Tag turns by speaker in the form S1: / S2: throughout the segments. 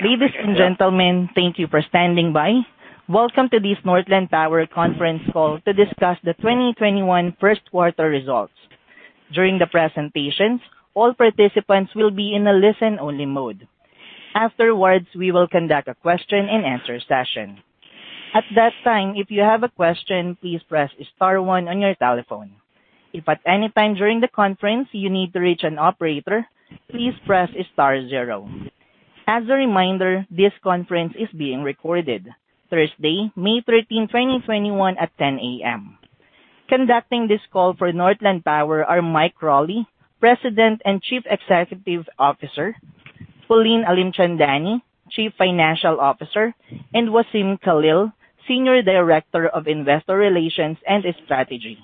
S1: Ladies and gentlemen, thank you for standing by. Welcome to this Northland Power conference call to discuss the 2021 first-quarter results. During the presentations, all participants will be in a listen-only mode. Afterwards, we will conduct a question-and-answer session. At that time, if you have a question, please press star one on your telephone. If at any time during the conference you need to reach an operator, please press star zero. As a reminder, this conference is being recorded. Thursday, May 13, 2021, at 10:00 A.M. Conducting this call for Northland Power are Mike Crawley, President and Chief Executive Officer, Pauline Alimchandani, Chief Financial Officer, and Wassem Khalil, Senior Director of Investor Relations and Strategy.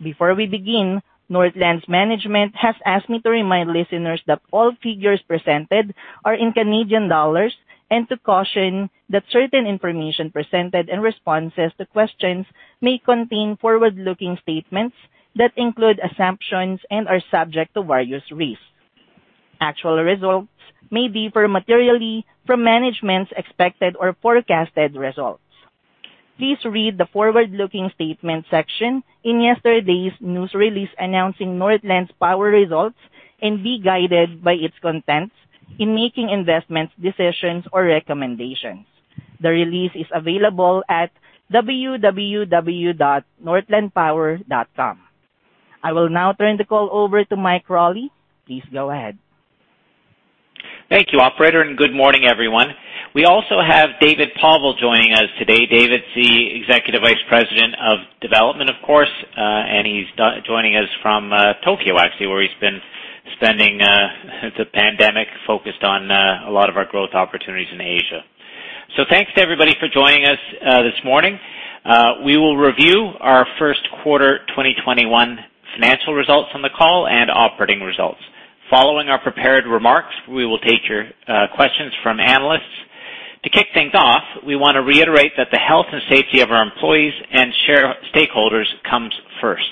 S1: Before we begin, Northland's management has asked me to remind listeners that all figures presented are in Canadian dollars, and to caution that certain information presented and responses to questions may contain forward-looking statements that include assumptions and are subject to various risks. Actual results may differ materially from management's expected or forecasted results. Please read the forward-looking statement section in yesterday's news release announcing Northland's Power results and be guided by its contents in making investments, decisions, or recommendations. The release is available at www.northlandpower.com. I will now turn the call over to Mike Crawley. Please go ahead.
S2: Thank you, operator, and good morning, everyone. We also have David Povall joining us today. David's the Executive Vice President of Development, of course, and he's joining us from Tokyo, actually, where he's been spending the pandemic focused on a lot of our growth opportunities in Asia. Thanks to everybody for joining us this morning. We will review our first-quarter 2021 financial results on the call and operating results. Following our prepared remarks, we will take your questions from analysts. To kick things off, we want to reiterate that the health and safety of our employees and shareholders comes first.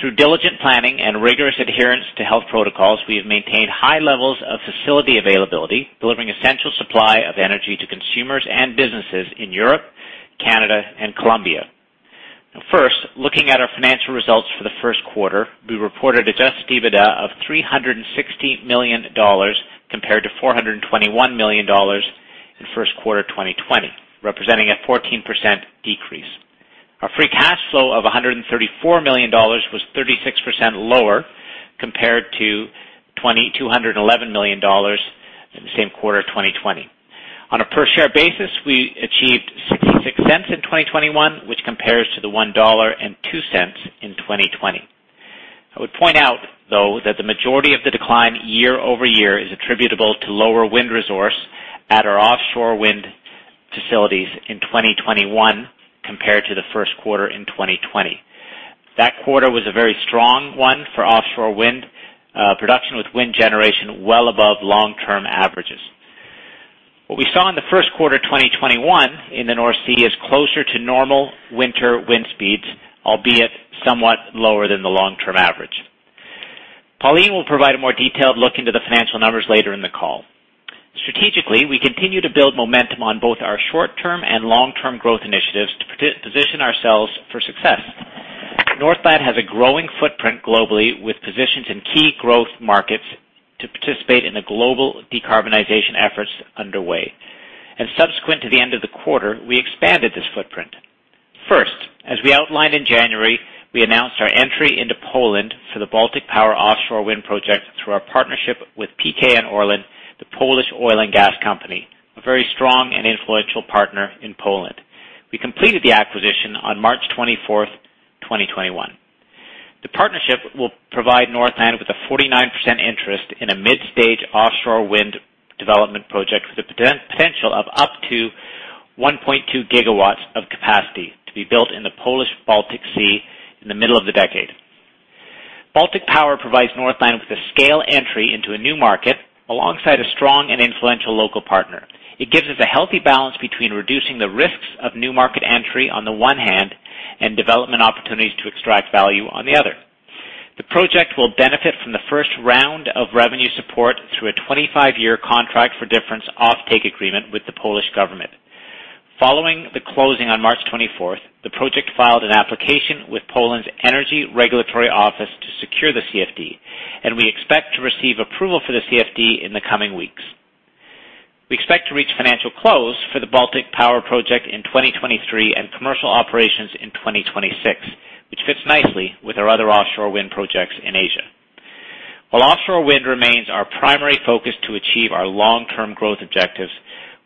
S2: Through diligent planning and rigorous adherence to health protocols, we have maintained high levels of facility availability, delivering essential supply of energy to consumers and businesses in Europe, Canada, and Colombia. First, looking at our financial results for the first quarter, we reported adjusted EBITDA of 360 million dollars compared to 421 million dollars in first quarter 2020, representing a 14% decrease. Our free cash flow of 134 million dollars was 36% lower compared to 211 million dollars in the same quarter of 2020. On a per-share basis, we achieved 0.66 in 2021, which compares to the 1.02 dollar in 2020. I would point out, though, that the majority of the decline year-over-year is attributable to lower wind resource at our offshore wind facilities in 2021 compared to the first quarter in 2020. That quarter was a very strong one for offshore wind production, with wind generation well above long-term averages. What we saw in the first quarter 2021 in the North Sea is closer to normal winter wind speeds, albeit somewhat lower than the long-term average. Pauline will provide a more detailed look into the financial numbers later in the call. Strategically, we continue to build momentum on both our short-term and long-term growth initiatives to position ourselves for success. Northland has a growing footprint globally, with positions in key growth markets to participate in the global decarbonization efforts underway. Subsequent to the end of the quarter, we expanded this footprint. First, as we outlined in January, we announced our entry into Poland for the Baltic Power offshore wind project through our partnership with PKN ORLEN, the Polish oil and gas company, a very strong and influential partner in Poland. We completed the acquisition on March 24th, 2021. The partnership will provide Northland with a 49% interest in a mid-stage offshore wind development project with the potential of up to 1.2 GW of capacity to be built in the Polish Baltic Sea in the middle of the decade. Baltic Power provides Northland with a scale entry into a new market alongside a strong and influential local partner. It gives us a healthy balance between reducing the risks of new market entry on the one hand and development opportunities to extract value on the other. The project will benefit from the first round of revenue support through a 25-year contract for difference offtake agreement with the Polish government. Following the closing on March 24th, the project filed an application with Poland's Energy Regulatory Office to secure the CFD, and we expect to receive approval for the CFD in the coming weeks. We expect to reach financial close for the Baltic Power project in 2023 and commercial operations in 2026, which fits nicely with our other offshore wind projects in Asia. While offshore wind remains our primary focus to achieve our long-term growth objectives,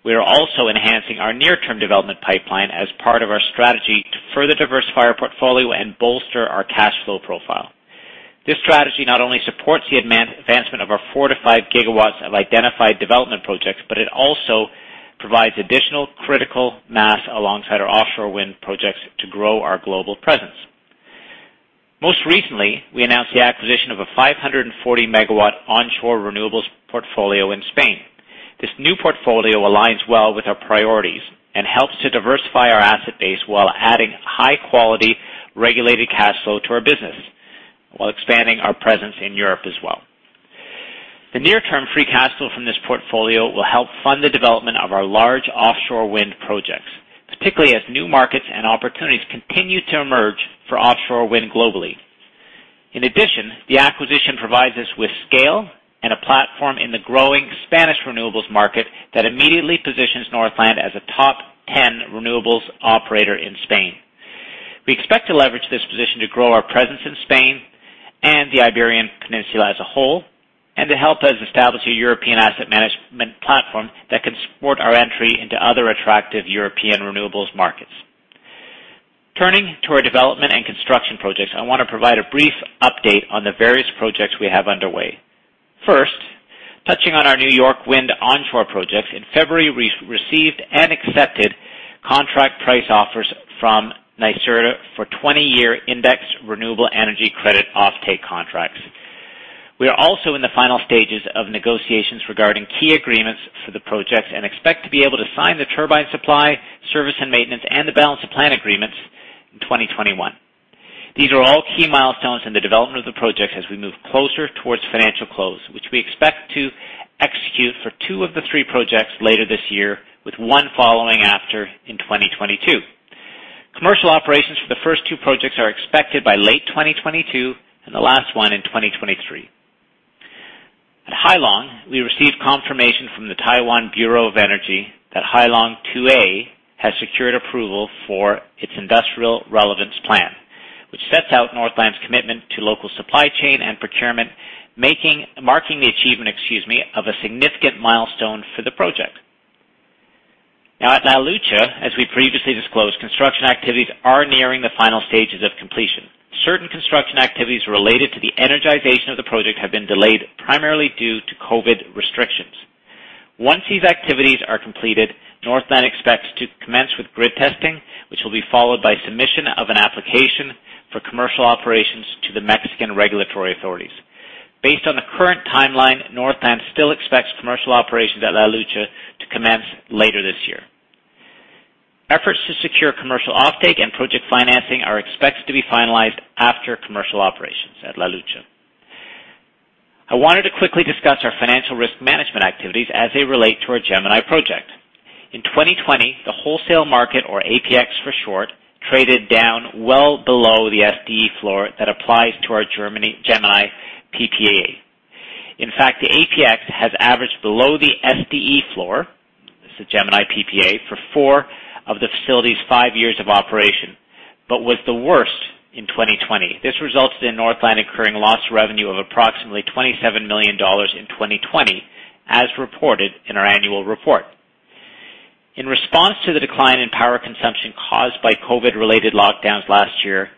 S2: we are also enhancing our near-term development pipeline as part of our strategy to further diversify our portfolio and bolster our cash flow profile. This strategy not only supports the advancement of our 4 GW-5 GW of identified development projects, but it also provides additional critical mass alongside our offshore wind projects to grow our global presence. Most recently, we announced the 540 MW onshore renewables portfolio in Spain. This new portfolio aligns well with our priorities and helps to diversify our asset base while adding high-quality regulated cash flow to our business, while expanding our presence in Europe as well. The near-term free cash flow from this portfolio will help fund the development of our large offshore wind projects, particularly as new markets and opportunities continue to emerge for offshore wind globally. In addition, the acquisition provides us with scale and a platform in the growing Spanish renewables market that immediately positions Northland as a top 10 renewables operator in Spain. We expect to leverage this position to grow our presence in Spain and the Iberian Peninsula as a whole, and to help us establish a European asset management platform that can support our entry into other attractive European renewables markets. Turning to our development and construction projects, I want to provide a brief update on the various projects we have underway. First, touching on our New York Wind onshore projects, in February, we received and accepted contract price offers from NYSERDA for 20-year index renewable energy credit offtake contracts. We are also in the final stages of negotiations regarding key agreements for the projects and expect to be able to sign the turbine supply, service and maintenance, and the balance of plant agreements in 2021. These are all key milestones in the development of the projects as we move closer towards financial close, which we expect to execute for two of the three projects later this year, with one following after in 2022. Commercial operations for the first two projects are expected by late 2022, and the last one in 2023. At Hai Long, we received confirmation from the Taiwan Bureau of Energy that Hai Long 2A has secured approval for its industrial relevance plan, which sets out Northland's commitment to local supply chain and procurement, marking the achievement, excuse me, of a significant milestone for the project. At La Lucha, as we previously disclosed, construction activities are nearing the final stages of completion. Certain construction activities related to the energization of the project have been delayed, primarily due to COVID restrictions. Once these activities are completed, Northland expects to commence with grid testing, which will be followed by submission of an application for commercial operations to the Mexican regulatory authorities. Based on the current timeline, Northland still expects commercial operations at La Lucha to commence later this year. Efforts to secure commercial offtake and project financing are expected to be finalized after commercial operations at La Lucha. I wanted to quickly discuss our financial risk management activities as they relate to our Gemini project. In 2020, the wholesale market, or APX for short, traded down well below the SDE floor that applies to our Gemini PPA. In fact, the APX has averaged below the SDE floor, this is Gemini PPA, for four of the facility's five years of operation, but was the worst in 2020. This resulted in Northland incurring lost revenue of approximately 27 million dollars in 2020, as reported in our annual report. In response to the decline in power consumption caused by COVID-related lockdowns last year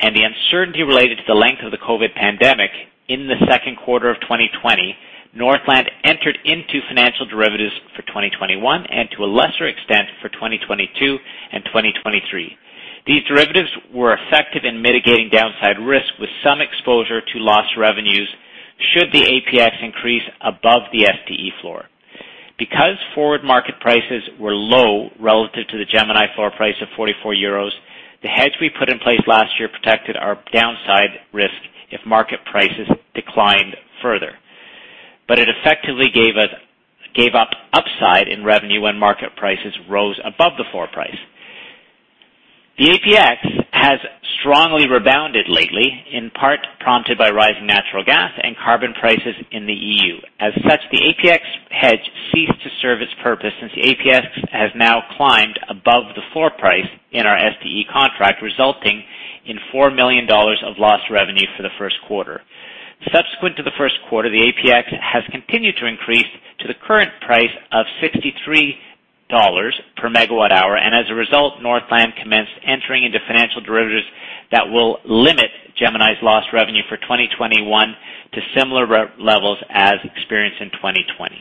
S2: and the uncertainty related to the length of the COVID pandemic in the second quarter of 2020, Northland entered into financial derivatives for 2021, and to a lesser extent, for 2022 and 2023. These derivatives were effective in mitigating downside risk with some exposure to lost revenues should the APX increase above the SDE floor. Because forward market prices were low relative to the Gemini floor price of EUR 44, the hedge we put in place last year protected our downside risk if market prices declined further. It effectively gave up upside in revenue when market prices rose above the floor price. The APX has strongly rebounded lately, in part prompted by rising natural gas and carbon prices in the EU. As such, the APX hedge ceased to serve its purpose since the APX has now climbed above the floor price in our SDE contract, resulting in 4 million dollars of lost revenue for the first quarter. Subsequent to the first quarter, the APX has continued to increase to the current price of 63 dollars per megawatt hour. As a result, Northland commenced entering into financial derivatives that will limit Gemini's lost revenue for 2021 to similar levels as experienced in 2020.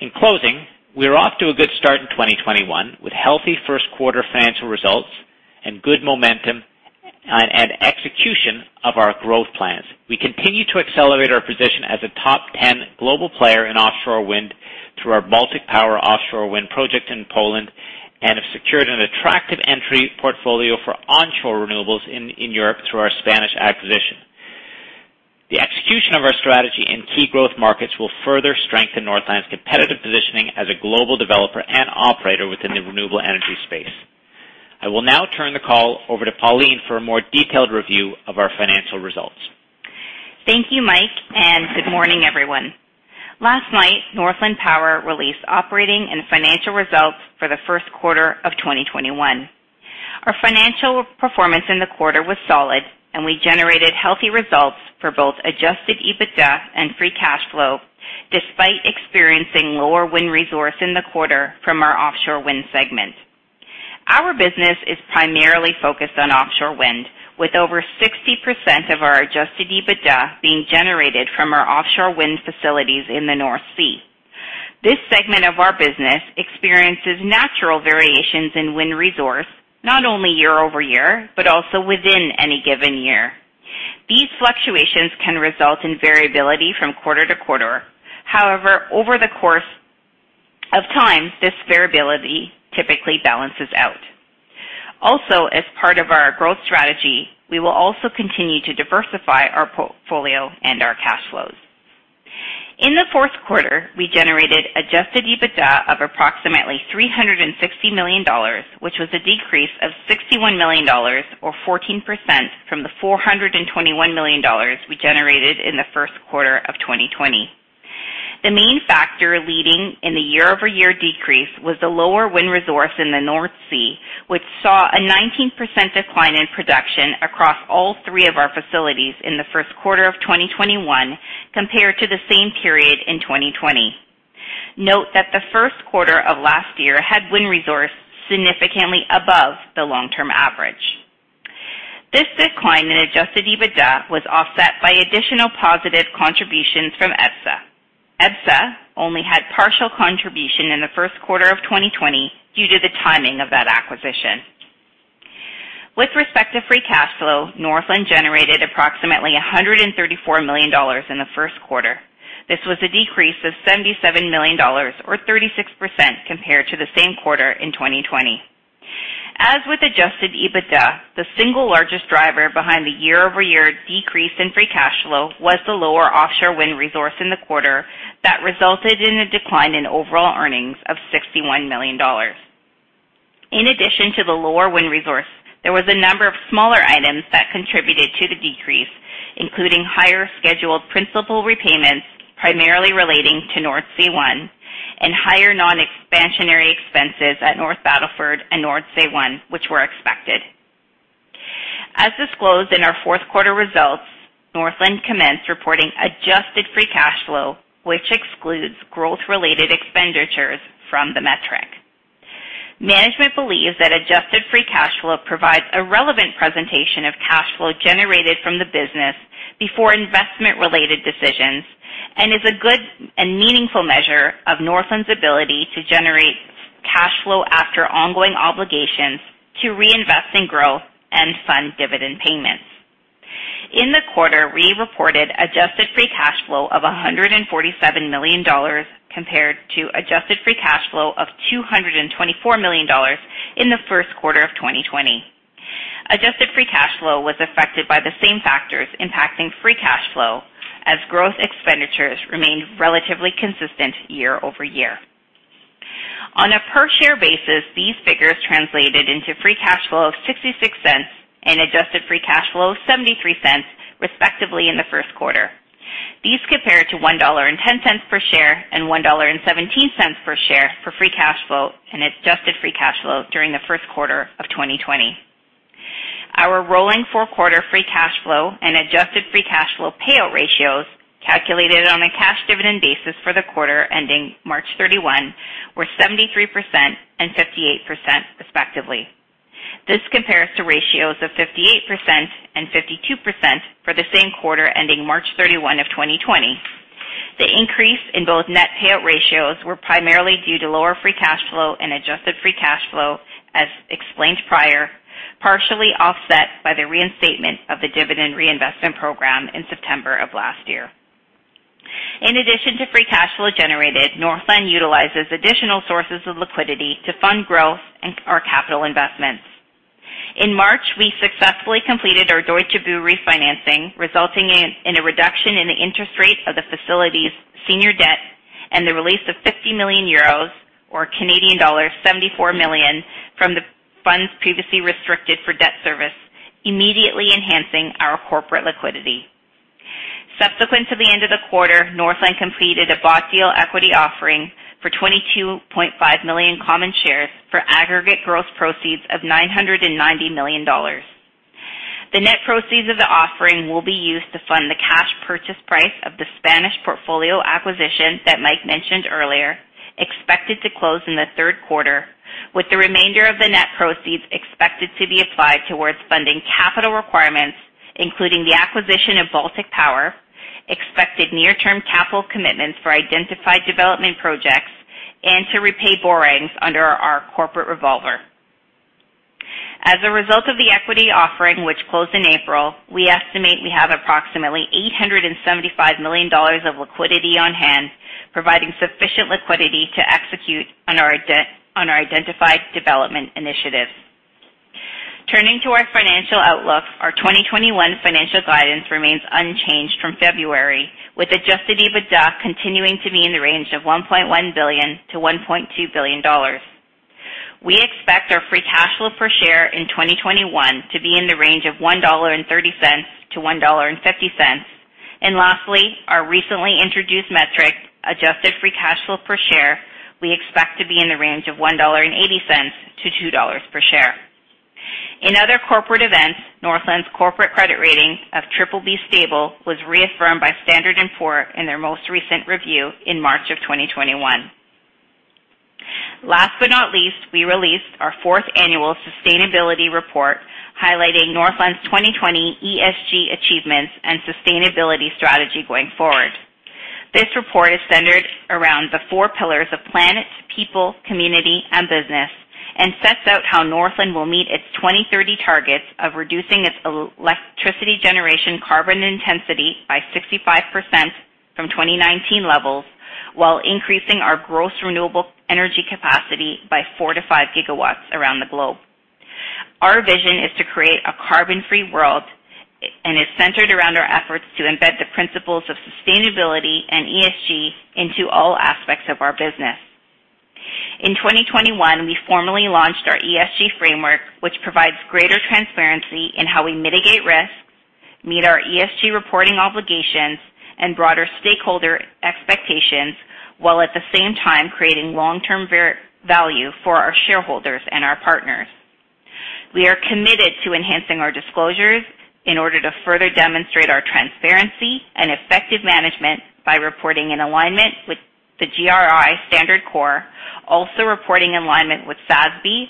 S2: In closing, we are off to a good start in 2021, with healthy first quarter financial results and good momentum and execution of our growth plans. We continue to accelerate our position as a top 10 global player in offshore wind through our Baltic Power offshore wind project in Poland and have secured an attractive entry portfolio for onshore renewables in Europe through our Spanish acquisition. The execution of our strategy in key growth markets will further strengthen Northland's competitive positioning as a global developer and operator within the renewable energy space. I will now turn the call over to Pauline for a more detailed review of our financial results.
S3: Thank you, Mike. Good morning, everyone. Last night, Northland Power released operating and financial results for the first quarter of 2021. Our financial performance in the quarter was solid. We generated healthy results for both adjusted EBITDA and free cash flow, despite experiencing lower wind resource in the quarter from our offshore wind segment. Our business is primarily focused on offshore wind, with over 60% of our adjusted EBITDA being generated from our offshore wind facilities in the North Sea. This segment of our business experiences natural variations in wind resource, not only year-over-year, but also within any given year. These fluctuations can result in variability from quarter-to-quarter. However, over the course of time, this variability typically balances out. Also, as part of our growth strategy, we will also continue to diversify our portfolio and our cash flows. In the fourth quarter, we generated adjusted EBITDA of approximately 360 million dollars, which was a decrease of 61 million dollars or 14% from the 421 million dollars we generated in the first quarter of 2020. The main factor leading in the year-over-year decrease was the lower wind resource in the North Sea, which saw a 19% decline in production across all three of our facilities in the first quarter of 2021, compared to the same period in 2020. Note that the first quarter of last year had wind resource significantly above the long-term average. This decline in adjusted EBITDA was offset by additional positive contributions from EBSA. EBSA only had partial contribution in the first quarter of 2020 due to the timing of that acquisition. With respect to free cash flow, Northland generated approximately 134 million dollars in the first quarter. This was a decrease of 77 million dollars or 36% compared to the same quarter in 2020. As with adjusted EBITDA, the single largest driver behind the year-over-year decrease in free cash flow was the lower offshore wind resource in the quarter that resulted in a decline in overall earnings of 61 million dollars. In addition to the lower wind resource, there was a number of smaller items that contributed to the decrease, including higher scheduled principal repayments, primarily relating to Nordsee One, and higher non-expansionary expenses at North Battleford and Nordsee One, which were expected. As disclosed in our fourth quarter results, Northland commenced reporting adjusted free cash flow, which excludes growth-related expenditures from the metric. Management believes that adjusted free cash flow provides a relevant presentation of cash flow generated from the business before investment-related decisions, and is a good and meaningful measure of Northland's ability to generate cash flow after ongoing obligations to reinvest in growth and fund dividend payments. In the quarter, we reported adjusted free cash flow of 147 million dollars compared to adjusted free cash flow of 224 million dollars in the first quarter of 2020. Adjusted free cash flow was affected by the same factors impacting free cash flow as growth expenditures remained relatively consistent year-over-year. On a per-share basis, these figures translated into free cash flow of 0.66 and adjusted free cash flow of 0.73, respectively in the first quarter. These compared to 1.10 dollar per share and 1.17 dollar per share for free cash flow and adjusted free cash flow during the first quarter of 2020. Our rolling four-quarter free cash flow and adjusted free cash flow payout ratios, calculated on a cash dividend basis for the quarter ending March 31, were 73% and 58%, respectively. This compares to ratios of 58% and 52% for the same quarter ending March 31 of 2020. The increase in both net payout ratios were primarily due to lower free cash flow and adjusted free cash flow, as explained prior, partially offset by the reinstatement of the dividend reinvestment program in September of last year. In addition to free cash flow generated, Northland utilizes additional sources of liquidity to fund growth and our capital investments. In March, we successfully completed our Deutsche Bucht refinancing, resulting in a reduction in the interest rate of the facility's senior debt and the release of 50 million euros or Canadian dollars 74 million from the funds previously restricted for debt service, immediately enhancing our corporate liquidity. Subsequent to the end of the quarter, Northland completed a bought deal equity offering for 22.5 million common shares for aggregate gross proceeds of 990 million dollars. The net proceeds of the offering will be used to fund the cash purchase price of the Spanish portfolio acquisition that Mike mentioned earlier, expected to close in the third quarter, with the remainder of the net proceeds expected to be applied towards funding capital requirements, including the acquisition of Baltic Power, expected near-term capital commitments for identified development projects, and to repay borrowings under our corporate revolver. As a result of the equity offering, which closed in April, we estimate we have approximately 875 million dollars of liquidity on hand, providing sufficient liquidity to execute on our identified development initiatives. Turning to our financial outlook, our 2021 financial guidance remains unchanged from February, with adjusted EBITDA continuing to be in the range of 1.1 billion-1.2 billion dollars. We expect our free cash flow per share in 2021 to be in the range of 1.30-1.50 dollar. Lastly, our recently introduced metric, adjusted free cash flow per share, we expect to be in the range of 1.80-2 dollar per share. In other corporate events, Northland's corporate credit rating of BBB stable was reaffirmed by Standard & Poor's in their most recent review in March of 2021. Last but not least, we released our fourth annual sustainability report highlighting Northland's 2020 ESG achievements and sustainability strategy going forward. This report is centered around the four pillars of planet, people, community, and business, and sets out how Northland will meet its 2030 targets of reducing its electricity generation carbon intensity by 65% from 2019 levels, while increasing our gross renewable energy capacity by four to five gigawatts around the globe. Our vision is to create a carbon-free world, and is centered around our efforts to embed the principles of sustainability and ESG into all aspects of our business. In 2021, we formally launched our ESG framework, which provides greater transparency in how we mitigate risks, meet our ESG reporting obligations, and broader stakeholder expectations, while at the same time creating long-term value for our shareholders and our partners. We are committed to enhancing our disclosures in order to further demonstrate our transparency and effective management by reporting in alignment with the GRI Standards Core, also reporting in alignment with SASB,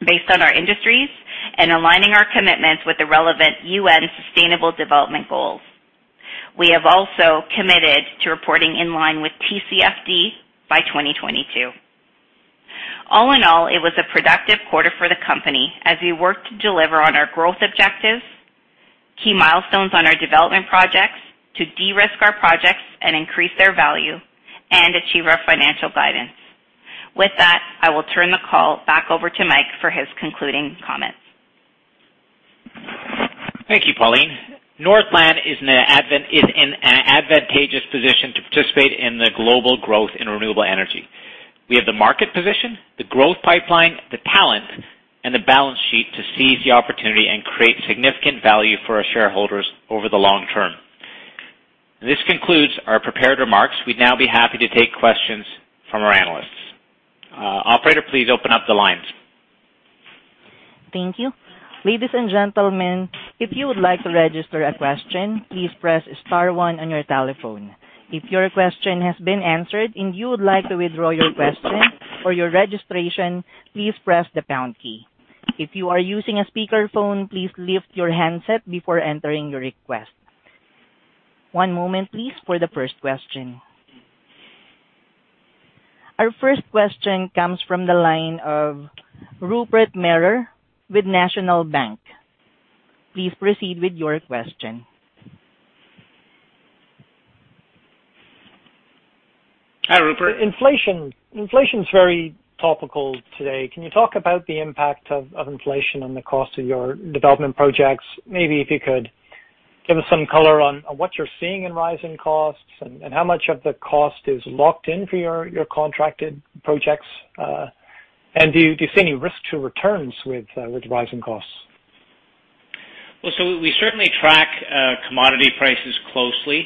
S3: based on our industries, and aligning our commitments with the relevant UN sustainable development goals. We have also committed to reporting in line with TCFD by 2022. All in all, it was a productive quarter for the company as we worked to deliver on our growth objectives, key milestones on our development projects, to de-risk our projects and increase their value, and achieve our financial guidance. With that, I will turn the call back over to Mike for his concluding comments.
S2: Thank you, Pauline. Northland is in an advantageous position to participate in the global growth in renewable energy. We have the market position, the growth pipeline, the talent, and the balance sheet to seize the opportunity and create significant value for our shareholders over the long term. This concludes our prepared remarks. We would now be happy to take questions from our analysts. Operator, please open up the lines.
S1: Thank you. Ladies and gentlemen, if you would like to register a question, please press star one on your telephone. If your question has been answered and you would like to withdraw your question or your registration, please press the pound key. If you are using a speakerphone, please lift your handset before entering your request. One moment, please, for the first question. Our first question comes from the line of Rupert Merer with National Bank. Please proceed with your question.
S2: Hi, Rupert.
S4: Inflation is very topical today. Can you talk about the impact of inflation on the cost of your development projects? Maybe if you could give us some color on what you're seeing in rising costs and how much of the cost is locked in for your contracted projects. Do you see any risk to returns with rising costs?
S2: Well, we certainly track commodity prices closely,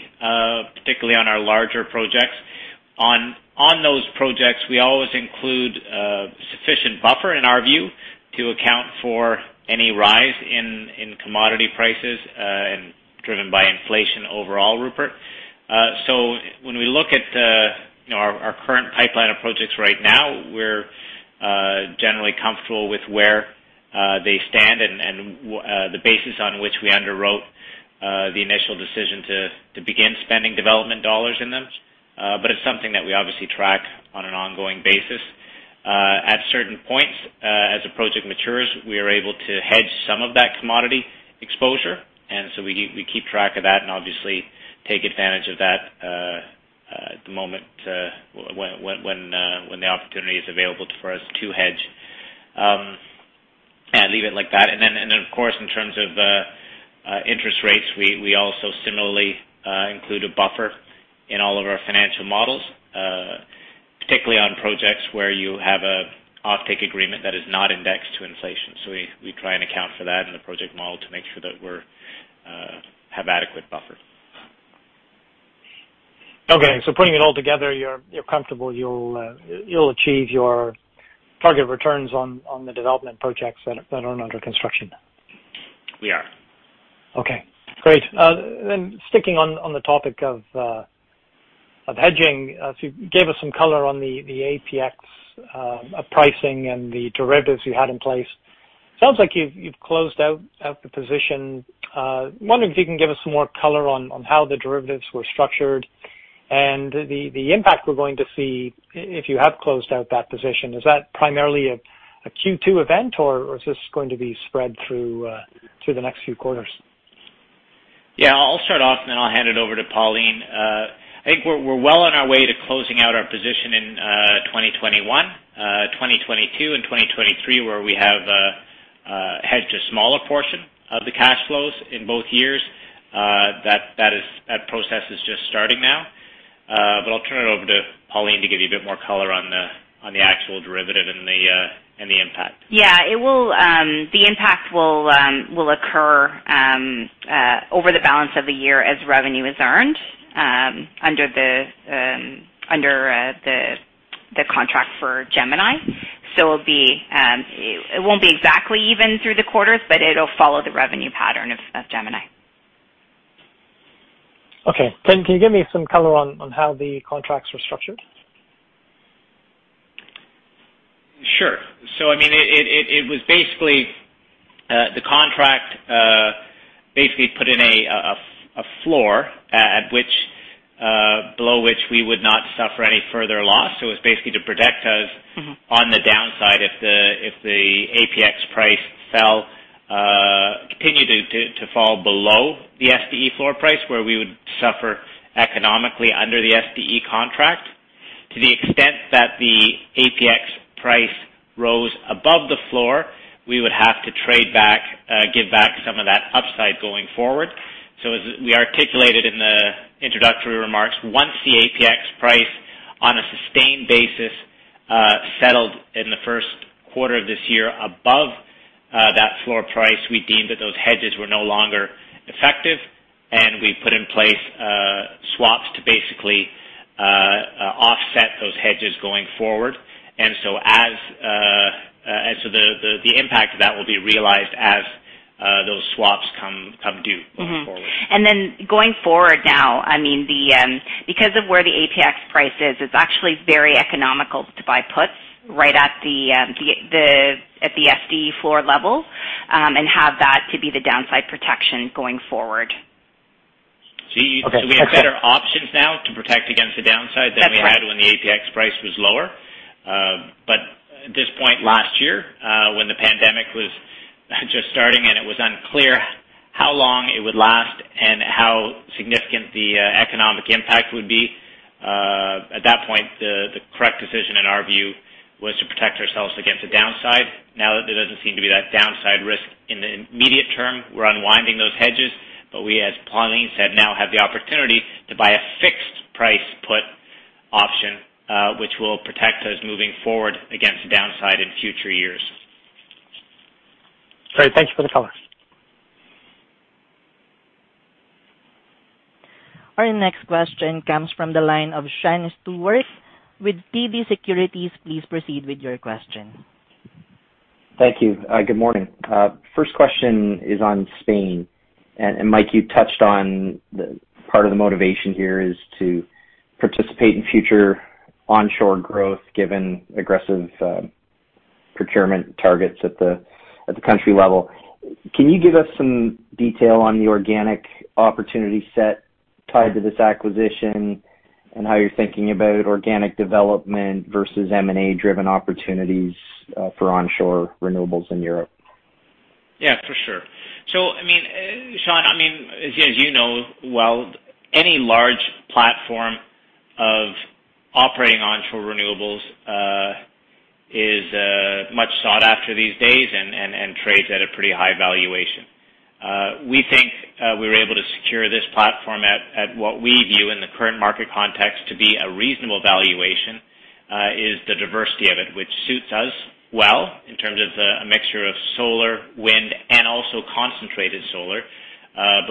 S2: particularly on our larger projects. On those projects, we always include a sufficient buffer, in our view, to account for any rise in commodity prices, and driven by inflation overall, Rupert. When we look at our current pipeline of projects right now, we're generally comfortable with where they stand and the basis on which we underwrote the initial decision to begin spending development dollars in them. It's something that we obviously track on an ongoing basis. At certain points, as a project matures, we are able to hedge some of that commodity exposure. We keep track of that and obviously take advantage of that at the moment when the opportunity is available for us to hedge. I'll leave it like that. Of course, in terms of interest rates, we also similarly include a buffer in all of our financial models, particularly on projects where you have an offtake agreement that is not indexed to inflation. We try and account for that in the project model to make sure that we have adequate buffer.
S4: Putting it all together, you're comfortable you'll achieve your target returns on the development projects that are under construction?
S2: We are.
S4: Okay, great. Sticking on the topic of hedging, you gave us some color on the APX pricing and the derivatives you had in place. Sounds like you've closed out the position. Wondering if you can give us some more color on how the derivatives were structured and the impact we're going to see if you have closed out that position. Is that primarily a Q2 event, or is this going to be spread through the next few quarters?
S2: I'll start off and then I'll hand it over to Pauline. I think we're well on our way to closing out our position in 2021, 2022, and 2023, where we have hedged a smaller portion of the cash flows in both years. That process is just starting now. I'll turn it over to Pauline to give you a bit more color on the actual derivative and the impact.
S3: Yeah. The impact will occur over the balance of the year as revenue is earned under the contract for Gemini. It won't be exactly even through the quarters, but it'll follow the revenue pattern of Gemini.
S4: Okay. Can you give me some color on how the contracts were structured?
S2: Sure. It was basically the contract put in a floor below which we would not suffer any further loss. It was basically to protect us. On the downside if the APX price continued to fall below the SDE floor price, where we would suffer economically under the SDE contract. To the extent that the APX price rose above the floor, we would have to give back some of that upside going forward. As we articulated in the introductory remarks, once the APX price on a sustained basis settled in the first quarter of this year above that floor price, we deemed that those hedges were no longer effective, and we put in place swaps to basically offset those hedges going forward. The impact of that will be realized as those swaps come due going forward.
S3: Going forward now, because of where the APX price is, it's actually very economical to buy puts right at the SDE floor level, and have that to be the downside protection going forward.
S2: We have better options now to protect against the downside than we had when the APX price was lower.
S3: That's right.
S2: At this point last year, when the pandemic was just starting and it was unclear how long it would last and how significant the economic impact would be, at that point, the correct decision in our view was to protect ourselves against the downside. Now that there doesn't seem to be that downside risk in the immediate term, we're unwinding those hedges. We, as Pauline said, now have the opportunity to buy a fixed price put option, which will protect us moving forward against downside in future years.
S4: Great. Thank you for the color.
S1: Our next question comes from the line of Sean Steuart with TD Securities. Please proceed with your question.
S5: Thank you. Good morning. First question is on Spain. Mike, you touched on the part of the motivation here is to participate in future onshore growth, given aggressive procurement targets at the country level. Can you give us some detail on the organic opportunity set tied to this acquisition, and how you're thinking about organic development versus M&A-driven opportunities for onshore renewables in Europe?
S2: Yeah, for sure. Sean, as you know, while any large platform of operating onshore renewables is much sought after these days and trades at a pretty high valuation. We think we were able to secure this platform at what we view in the current market context to be a reasonable valuation, is the diversity of it, which suits us well in terms of a mixture of solar, wind, and also concentrated solar.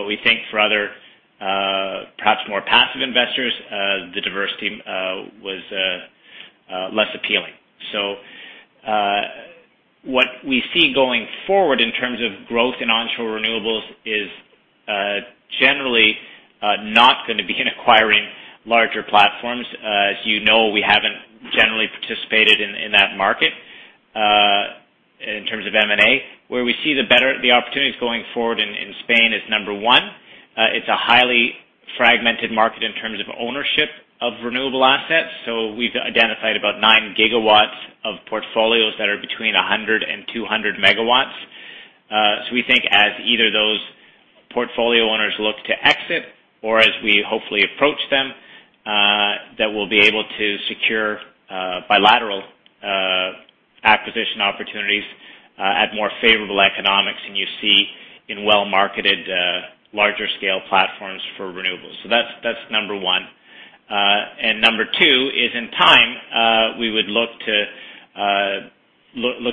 S2: We think for other perhaps more passive investors, the diversity was less appealing. What we see going forward in terms of growth in onshore renewables is generally not going to be in acquiring larger platforms. As you know, we haven't generally participated in that market in terms of M&A. Where we see the opportunities going forward in Spain is, number one, it's a highly fragmented market in terms of ownership of renewable assets. We've identified about 9 GW of portfolios that are between 100 MW and 200 MW. We think as either those portfolio owners look to exit or as we hopefully approach them, that we'll be able to secure bilateral acquisition opportunities at more favorable economics than you see in well-marketed larger scale platforms for renewables. That's number one. Number two is in time, we would look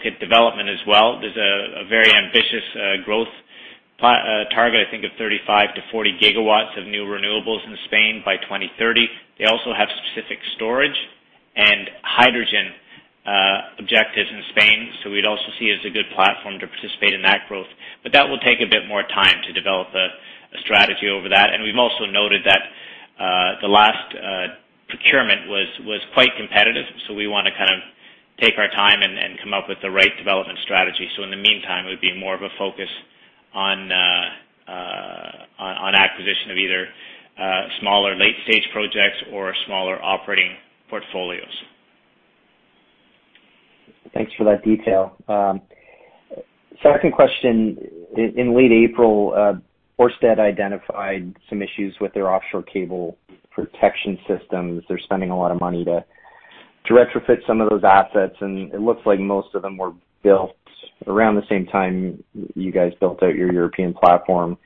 S2: at development as well. There's a very ambitious growth target, I think of 35 GW-40 GW of new renewables in Spain by 2030. They also have specific storage and hydrogen objectives in Spain. We'd also see it as a good platform to participate in that growth. That will take a bit more time to develop a strategy over that. We've also noted that the last procurement was quite competitive, so we want to take our time and come up with the right development strategy. In the meantime, it would be more of a focus on acquisition of either smaller late-stage projects or smaller operating portfolios.
S5: Thanks for that detail. Second question, in late April, Ørsted identified some issues with their offshore cable protection systems. They're spending a lot of money to retrofit some of those assets, and it looks like most of them were built around the same time you guys built out your European platform.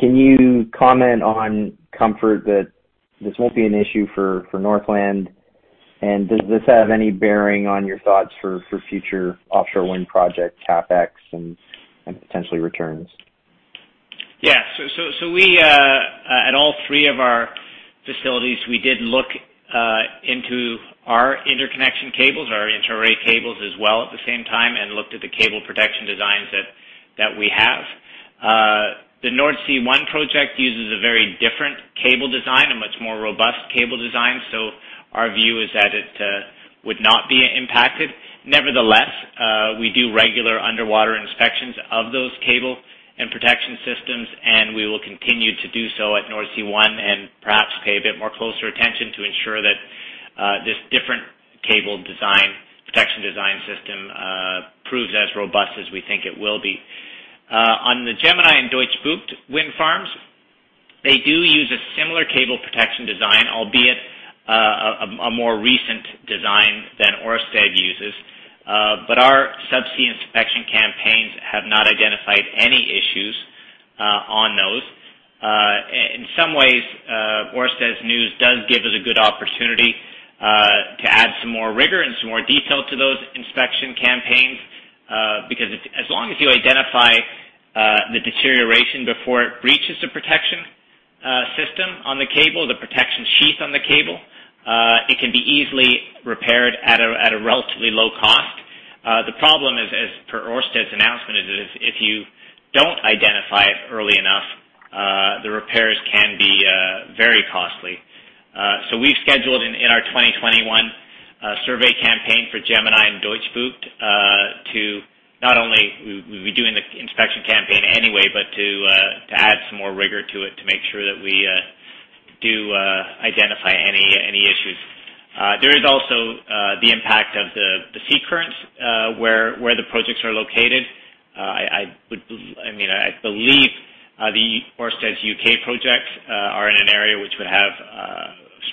S5: Can you comment on comfort that this won't be an issue for Northland? Does this have any bearing on your thoughts for future offshore wind project CapEx and potentially returns?
S2: We at all three of our facilities, we did look into our interconnection cables, our interarray cables as well at the same time, and looked at the cable protection designs that we have. The Nordsee One project uses a very different cable design, a much more robust cable design. Our view is that it would not be impacted. Nevertheless, we do regular underwater inspections of those cable and protection systems, and we will continue to do so at Nordsee One and perhaps pay a bit more closer attention to ensure that this different cable design, protection design system proves as robust as we think it will be. On the Gemini and Deutsche Bucht wind farms, they do use a similar cable protection design, albeit a more recent design than Ørsted uses. Our sub-sea inspection campaigns have not identified any issues on those. In some ways, Ørsted's news does give us a good opportunity to add some more rigor and some more detail to those inspection campaigns. As long as you identify the deterioration before it breaches the protection system on the cable, the protection sheath on the cable, it can be easily repaired at a relatively low cost. The problem is, as per Ørsted's announcement, is if you don't identify it early enough, the repairs can be very costly. We've scheduled in our 2021 survey campaign for Gemini and Deutsche Bucht to not only We'd be doing the inspection campaign anyway, but to add some more rigor to it to make sure that we do identify any issues. There is also the impact of the sea currents, where the projects are located. I believe the Ørsted's U.K. projects are in an area which would have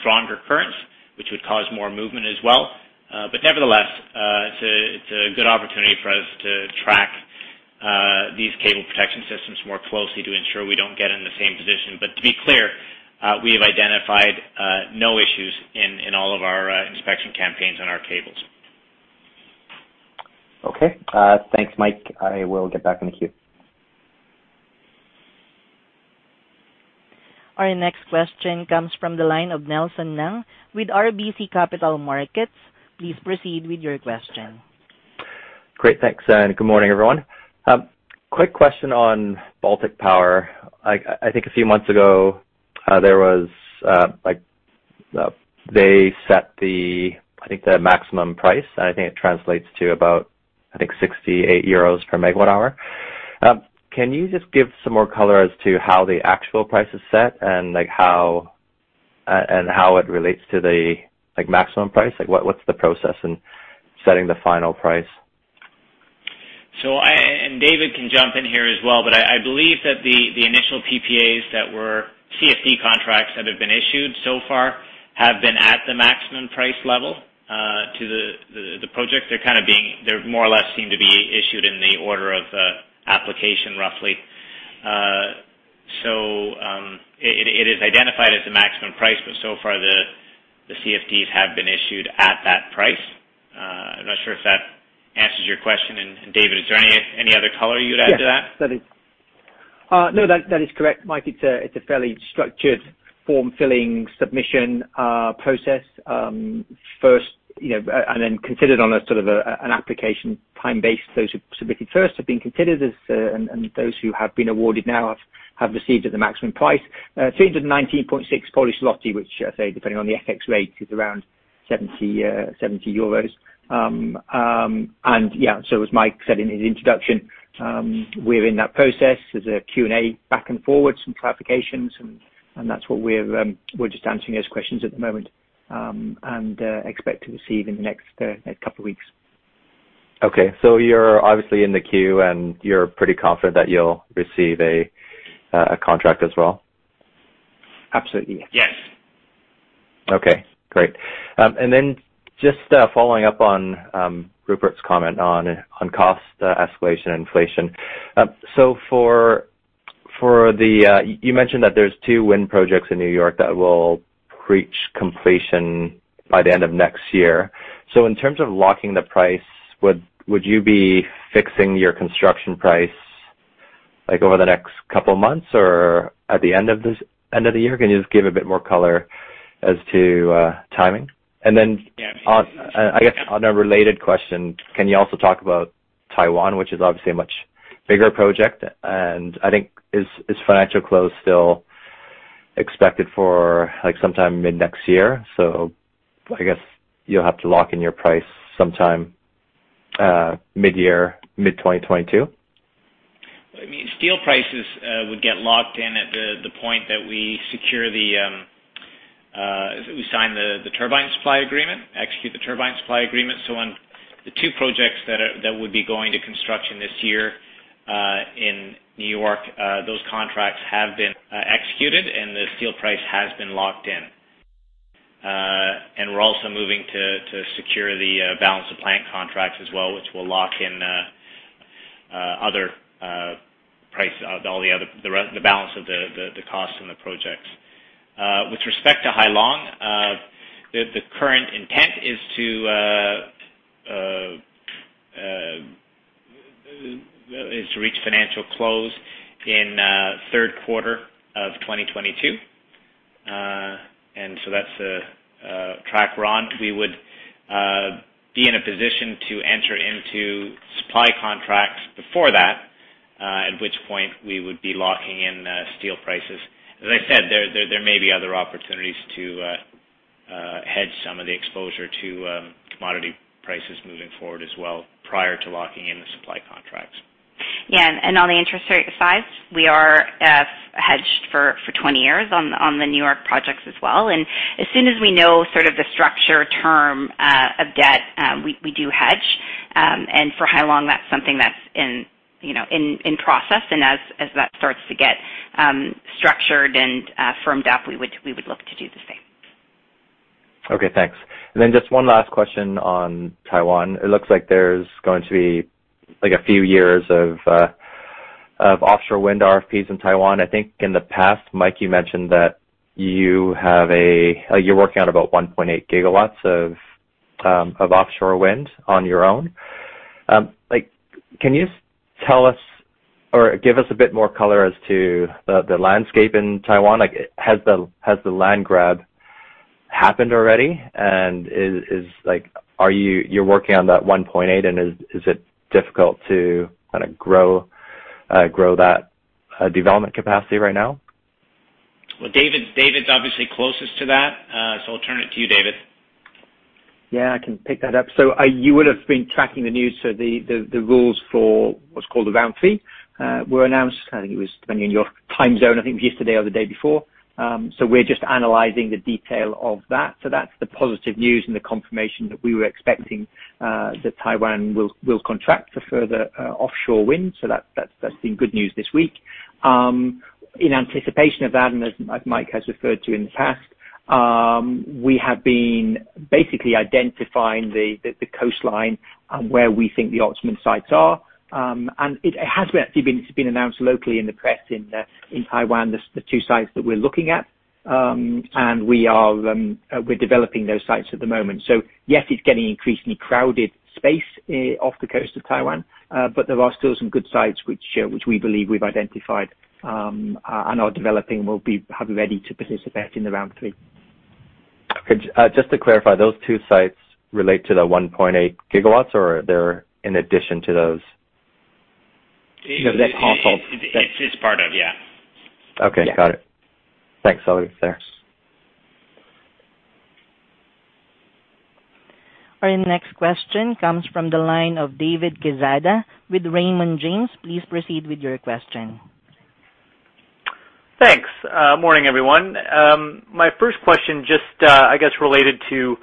S2: stronger currents, which would cause more movement as well. Nevertheless, it's a good opportunity for us to track these cable protection systems more closely to ensure we don't get in the same position. To be clear, we have identified no issues in all of our inspection campaigns on our cables.
S5: Okay. Thanks, Mike. I will get back in the queue.
S1: Our next question comes from the line of Nelson Ng with RBC Capital Markets. Please proceed with your question.
S6: Great. Thanks, good morning, everyone. Quick question on Baltic Power. I think a few months ago, they set, I think, the maximum price, and I think it translates to about, I think, 68 euros per megawatt hour. Can you just give some more color as to how the actual price is set and how it relates to the maximum price? What's the process in setting the final price?
S2: David can jump in here as well, but I believe that the initial PPAs that were CFD contracts that have been issued so far have been at the maximum price level to the project. They more or less seem to be issued in the order of application, roughly. It is identified as the maximum price, but so far the CFDs have been issued at that price. I'm not sure if that answers your question. David, is there any other color you'd add to that?
S7: Yes. No, that is correct, Mike. It's a fairly structured form filling submission process first, and then considered on a sort of an application time base. Those who submitted first have been considered, and those who have been awarded now have received at the maximum price. 319.6, which I say, depending on the FX rate, is around 70. As Mike said in his introduction, we're in that process. There's a Q&A back and forward, some clarifications, and that's what we're just answering those questions at the moment, and expect to receive in the next couple of weeks.
S6: Okay. You're obviously in the queue, and you're pretty confident that you'll receive a contract as well?
S7: Absolutely. Yes.
S6: Okay, great. Just following up on Rupert's comment on cost escalation inflation. You mentioned that there's two wind projects in New York that will reach completion by the end of next year. In terms of locking the price, would you be fixing your construction price over the next couple of months or at the end of the year? Can you just give a bit more color as to timing?
S2: Yeah.
S6: I guess on a related question, can you also talk about Taiwan, which is obviously a much bigger project, and I think is financial close still expected for sometime mid-next year? I guess you'll have to lock in your price sometime mid-year, mid-2022.
S2: Steel prices would get locked in at the point that we sign the turbine supply agreement, execute the turbine supply agreement. On the two projects that would be going to construction this year in New York, those contracts have been executed, and the steel price has been locked in. We're also moving to secure the balance of plant contracts as well, which will lock in the balance of the cost in the projects. With respect to Hai Long, the current intent is to close in third quarter of 2022. That's the track we're on. We would be in a position to enter into supply contracts before that, at which point we would be locking in steel prices. I said, there may be other opportunities to hedge some of the exposure to commodity prices moving forward as well, prior to locking in the supply contracts.
S3: On the interest rate side, we are hedged for 20 years on the New York projects as well. As soon as we know sort of the structure term of debt, we do hedge. For how long, that's something that's in process and as that starts to get structured and firmed up, we would look to do the same.
S6: Okay, thanks. Then just one last question on Taiwan. It looks like there's going to be a few years of offshore wind RFPs in Taiwan. I think in the past, Mike, you mentioned that you're working on about 1.8 GW of offshore wind on your own. Can you tell us or give us a bit more color as to the landscape in Taiwan? Has the land grab happened already, and you're working on that 1.8 GW and is it difficult to grow that development capacity right now?
S2: Well, David's obviously closest to that, so I'll turn it to you, David.
S7: Yeah, I can pick that up. You would have been tracking the news, the rules for what's called the Round 3 were announced, I think it was, depending on your time zone, I think it was yesterday or the day before. We're just analyzing the detail of that. That's the positive news and the confirmation that we were expecting that Taiwan will contract for further offshore wind. That's been good news this week. In anticipation of that, and as Mike has referred to in the past, we have been basically identifying the coastline where we think the ultimate sites are. It has actually been announced locally in the press in Taiwan, the two sites that we're looking at. We're developing those sites at the moment. Yes, it's getting increasingly crowded space off the coast of Taiwan, but there are still some good sites which we believe we've identified, and are developing, and will be ready to participate in the Round 3.
S6: Okay. Just to clarify, those two sites relate to the 1.8 GW or they're in addition to those?
S7: It's part of, yeah.
S6: Okay. Got it. Thanks.
S1: Our next question comes from the line of David Quezada with Raymond James. Please proceed with your question.
S8: Thanks. Morning, everyone. My first question just, I guess, related to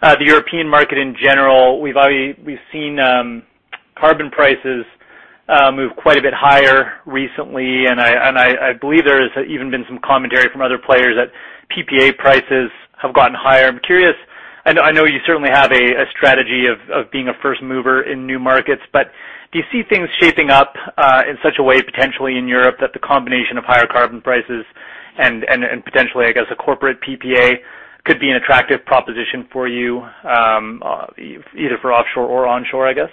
S8: the European market in general. We've seen carbon prices move quite a bit higher recently, and I believe there's even been some commentary from other players that PPA prices have gotten higher. I'm curious, I know you certainly have a strategy of being a first mover in new markets, but do you see things shaping up in such a way potentially in Europe that the combination of higher carbon prices and potentially, I guess, a corporate PPA could be an attractive proposition for you, either for offshore or onshore, I guess?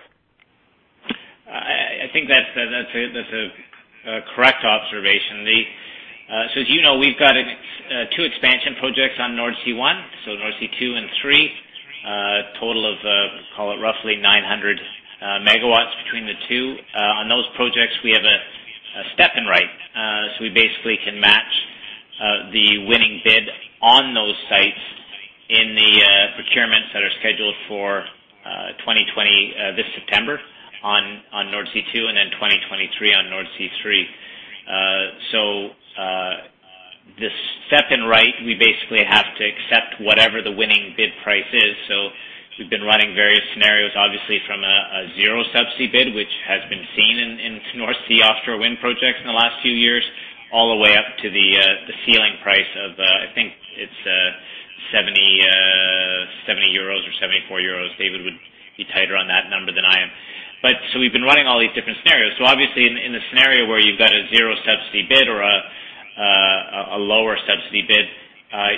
S2: I think that's a correct observation. As you know, we've got two expansion projects on Nordsee One, Nordsee Two and Three, a total of, call it, roughly 900 MW between the two. On those projects, we have a step-in right. We basically can match the winning bid on those sites in the procurements that are scheduled for this September on Nordsee Two and then 2023 on Nordsee Three. The step-in right, we basically have to accept whatever the winning bid price is. We've been running various scenarios, obviously, from a zero subsidy bid, which has been seen in Nordsee offshore wind projects in the last few years, all the way up to the ceiling price of, I think it's 70 or 74 euros. David would be tighter on that number than I am. We've been running all these different scenarios. Obviously, in the scenario where you've got a zero subsidy bid or a lower subsidy bid,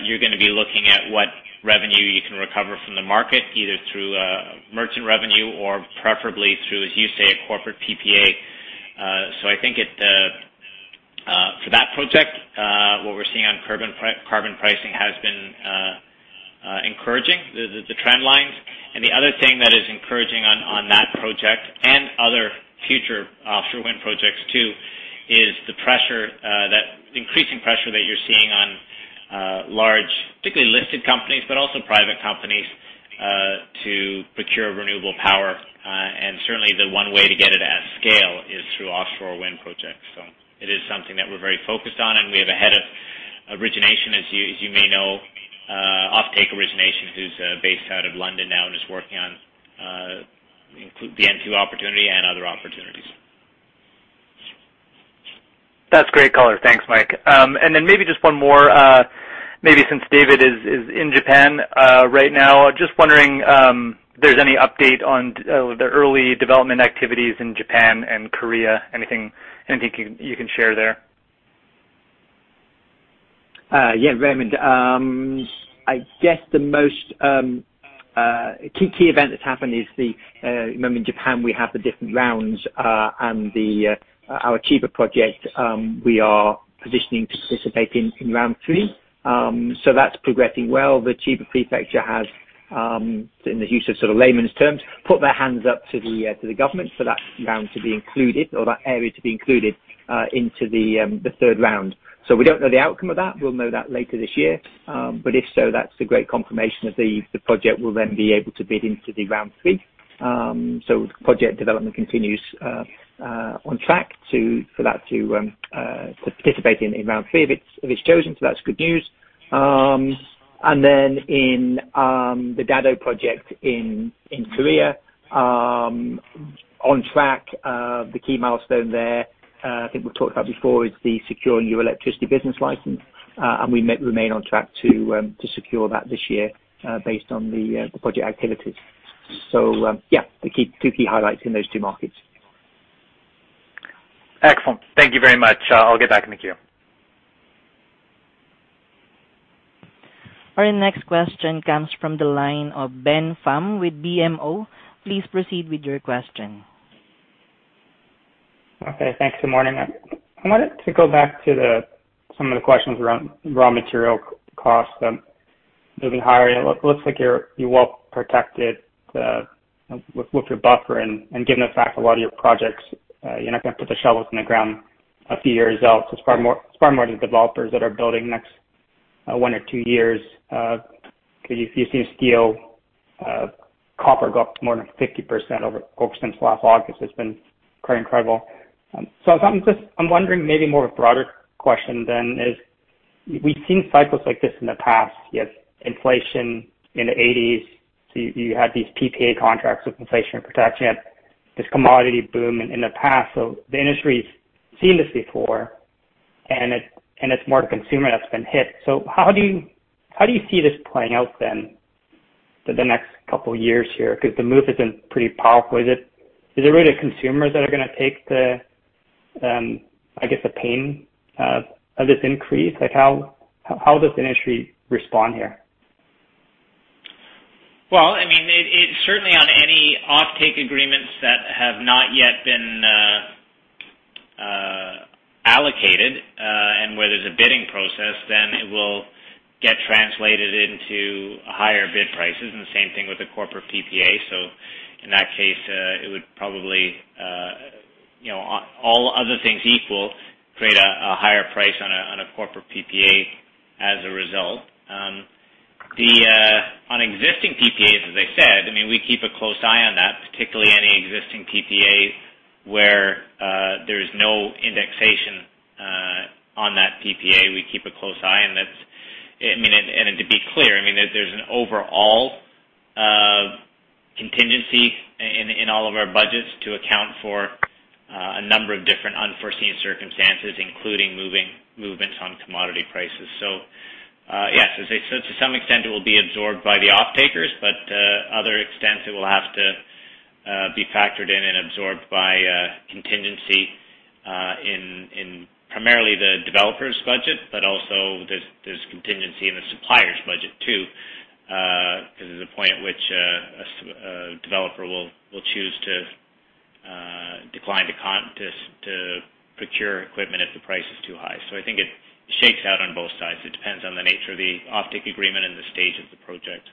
S2: you're going to be looking at what revenue you can recover from the market, either through merchant revenue or preferably through, as you say, a corporate PPA. I think for that project, what we're seeing on carbon pricing has been encouraging, the trend lines. The other thing that is encouraging on that project and other future offshore wind projects, too, is the increasing pressure that you're seeing on large, particularly listed companies, but also private companies, to procure renewable power. Certainly, the one way to get it at scale is through offshore wind projects. It is something that we're very focused on, and we have a head of origination, as you may know, offtake origination, who's based out of London now and is working on the N2 opportunity and other opportunities.
S8: That's great color. Thanks, Mike. Maybe just one more, maybe since David is in Japan right now. Just wondering if there's any update on the early development activities in Japan and Korea. Anything you can share there?
S7: Yeah, David. I guess the most key event that's happened is, remember in Japan we have the different rounds, and our Chiba project, we are positioning to participate in Round 3. That's progressing well. The Chiba prefecture has, in the use of sort of layman's terms, put their hands up to the government for that round to be included or that area to be included into the third round. We don't know the outcome of that. We'll know that later this year. If so, that's a great confirmation of the project will then be able to bid into the Round 3. Project development continues on track for that to participate in Round 3 if it's chosen. That's good news. Then in the Dado project in Korea, on track. The key milestone there, I think we've talked about before, is the securing your electricity business license. We remain on track to secure that this year, based on the project activities. The two key highlights in those two markets.
S8: Excellent. Thank you very much. I'll get back in the queue.
S1: Our next question comes from the line of Ben Pham with BMO. Please proceed with your question.
S9: Okay. Thanks, good morning. I wanted to go back to some of the questions around raw material costs moving higher. It looks like you're well-protected with your buffer and given the fact a lot of your projects, you're not going to put the shovels in the ground a few years out. It's far more the developers that are building next one or two years. If you've seen steel, copper go up more than 50% over since last August, it's been quite incredible. I'm wondering maybe more of a broader question then is, we've seen cycles like this in the past. You have inflation in the '80s. You had these PPA contracts with inflation protection. You had this commodity boom in the past. The industry's seen this before, and it's more the consumer that's been hit. How do you see this playing out then for the next couple of years here? The move has been pretty powerful. Is it really the consumers that are going to take, I guess, the pain of this increase? How does the industry respond here?
S2: Well, certainly on any offtake agreements that have not yet been allocated, and where there's a bidding process, then it will get translated into higher bid prices, and the same thing with a corporate PPA. In that case, it would probably all other things equal, create a higher price on a corporate PPA as a result. On existing PPAs, as I said, we keep a close eye on that, particularly any existing PPAs where there's no indexation on that PPA. We keep a close eye on it. To be clear, there's an overall contingency in all of our budgets to account for a number of different unforeseen circumstances, including movements on commodity prices. Yes. To some extent, it will be absorbed by the offtakers, but other extents, it will have to be factored in and absorbed by contingency in primarily the developer's budget. Also, there's contingency in the supplier's budget, too. There's a point at which a developer will choose to decline to procure equipment if the price is too high. I think it shakes out on both sides. It depends on the nature of the offtake agreement and the stage of the project.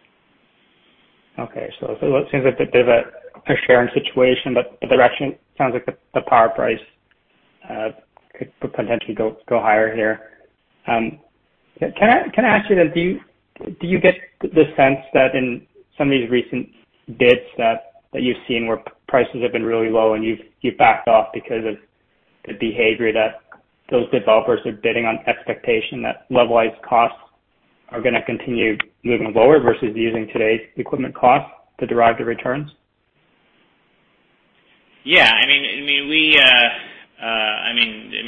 S9: It seems like there's a sharing situation, but the direction sounds like the power price could potentially go higher here. Can I ask you then, do you get the sense that in some of these recent bids that you've seen where prices have been really low and you've backed off because of the behavior that those developers are bidding on expectation that levelized costs are going to continue moving lower versus using today's equipment cost to derive the returns?
S2: Yeah.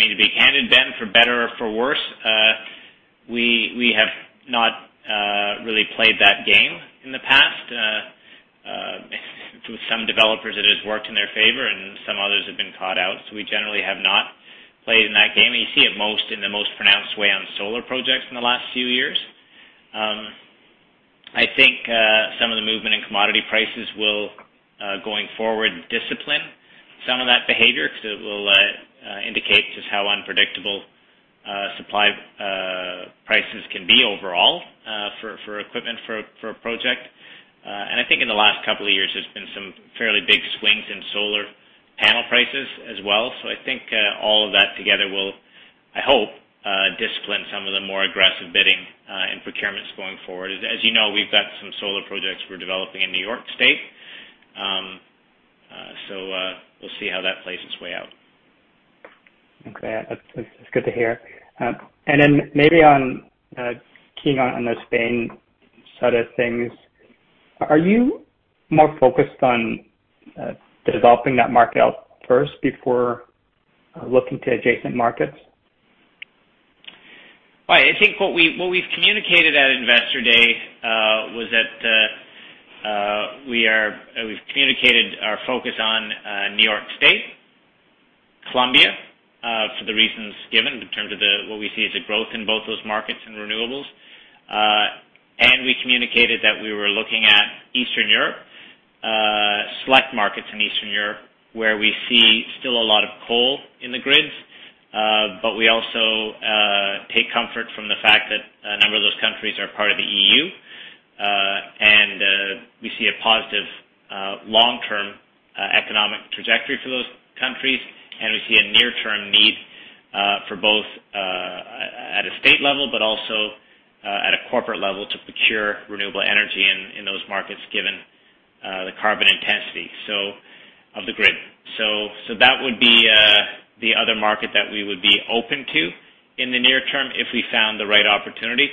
S2: To be candid, Ben, for better or for worse, we have not really played that game in the past. For some developers, it has worked in their favor, and some others have been caught out. We generally have not played in that game. You see it in the most pronounced way on solar projects in the last few years. I think some of the movement in commodity prices will, going forward, discipline some of that behavior because it will indicate just how unpredictable supply prices can be overall for equipment for a project. I think in the last couple of years, there's been some fairly big swings in solar panel prices as well. I think all of that together will, I hope, discipline some of the more aggressive bidding in procurements going forward. As you know, we've got some solar projects we're developing in New York State. We'll see how that plays its way out.
S9: Okay. That's good to hear. Then maybe on keying on those Spain side of things, are you more focused on developing that market out first before looking to adjacent markets?
S2: Right. I think what we've communicated at Investor Day. We've communicated our focus on New York State, Colombia, for the reasons given in terms of what we see as a growth in both those markets in renewables. We communicated that we were looking at Eastern Europe, select markets in Eastern Europe, where we see still a lot of coal in the grids. We also take comfort from the fact that a number of those countries are part of the EU, and we see a positive long-term economic trajectory for those countries. We see a near-term need for both at a state level, but also at a corporate level to procure renewable energy in those markets, given the carbon intensity of the grid. That would be the other market that we would be open to in the near term if we found the right opportunity.